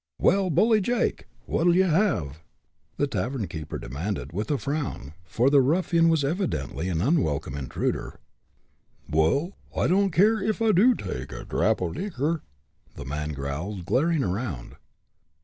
"Well, Bully Jake, what'll ye have!" the tavern keeper demanded, with a frown, for the ruffian was evidently an unwelcome intruder. "Waal, I don't keer ef I do take a drap o' likker!" the man growled, glaring around.